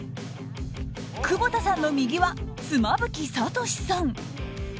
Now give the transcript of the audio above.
窪田さんの右は妻夫木聡さん。